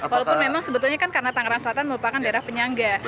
walaupun memang sebetulnya kan karena tangerang selatan merupakan daerah penyangga